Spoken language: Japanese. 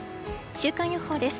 週間予報です。